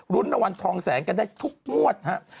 ลุ้นรวรรณทองแสนกันได้ทุกมวดครับ